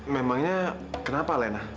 memangnya kenapa alena